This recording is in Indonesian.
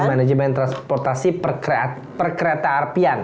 manajemen transportasi per kereta harpian